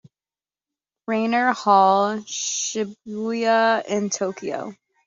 Rainer Hall, Shibuya in Tokyo.